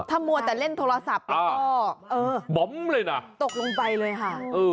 ถ้าเป็นโทรศัพท์ก็ตกลงไปเลยค่ะ